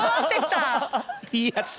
いいやつ。